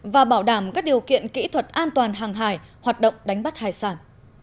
và bảo đảm các điều kiện kỹ thuật an toàn hàng hải hoạt động đánh bắt hải sản